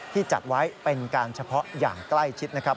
จัดไว้เป็นการเฉพาะอย่างใกล้ชิดนะครับ